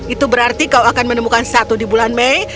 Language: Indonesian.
itu berarti kau akan menemukan satu di bulan mei